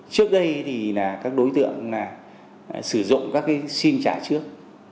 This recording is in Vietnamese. trước đây thì các đối tượng sử dụng các sim trả trước